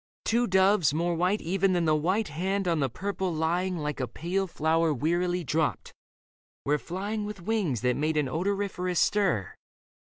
Two doves, more white Even than the white hand on the purple lying Like a pale flower wearily dropped, were flying With wings that made an odoriferous stir.